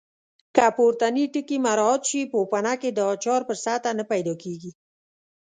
که پورتني ټکي مراعات شي پوپنکې د اچار پر سطحه نه پیدا کېږي.